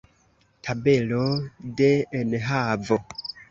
Tabelo de enhavo.